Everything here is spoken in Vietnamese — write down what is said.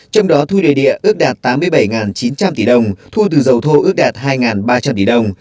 trong đó thu đề địa ước đạt tám mươi bảy chín trăm linh tỷ đồng thu từ dầu thô ước đạt hai ba trăm linh tỷ đồng